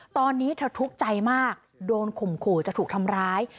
ตอนนี้เธอทุกข์ใจมากโดนข่มขู่จะถูกทำร้าย